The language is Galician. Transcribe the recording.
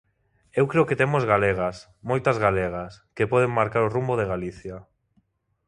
Eu creo que temos galegas, moitas galegas, que poden marcar o rumbo de Galicia.